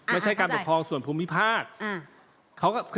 ไม่ใช่การปกครองส่วนภูมิภาค